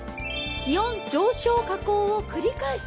気温上昇、下降を繰り返す。